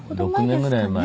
６年ぐらい前ね。